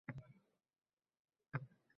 Katta bayram bo’lar edi mening uchun.